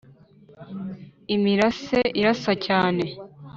imirase irasa cyane,